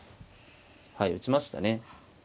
はい打ちましたね。